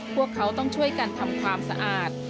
พวกเขาต้องช่วยกันทำความสะอาด